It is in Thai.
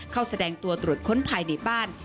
แสดงตัวตรวจค้นภายในบ้าน